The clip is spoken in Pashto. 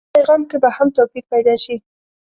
دوی په پیغام کې به هم توپير پيدا شي.